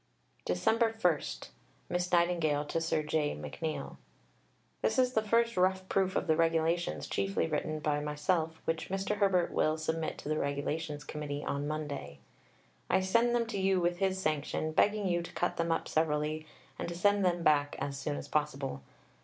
Dec. 1 (Miss Nightingale to Sir J. McNeill). This is the first rough proof of the Regulations chiefly written by myself, which Mr. Herbert will submit to the Regulations Committee on Monday. I send them to you with his sanction, begging you to cut them up severely, and to send them back as soon as possible.